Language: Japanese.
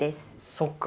そっか